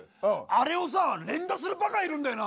あれをさ連打するバカいるんだよな。